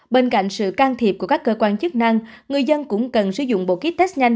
bên cạnh sự can thiệp của các cơ quan chức năng người dân cũng cần sử dụng bộ kit test nhanh